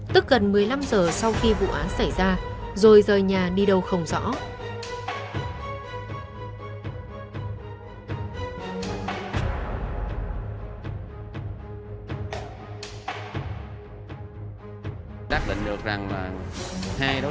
tức gần một mươi năm giờ sau khi vụ án xảy ra rồi rời nhà đi đâu không rõ